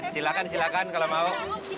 silakan silakan kalau mau